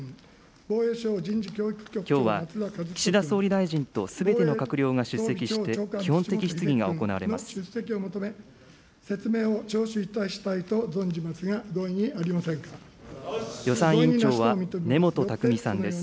きょうは、岸田総理大臣とすべての閣僚が出席して、基本的質疑が行われます。